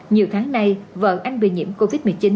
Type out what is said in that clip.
nhiều tháng nay vợ anh bị nhiễm covid một mươi chín